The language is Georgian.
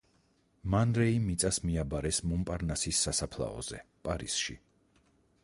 მან რეი მიწას მიაბარეს მონპარნასის სასაფლაოზე, პარიზში.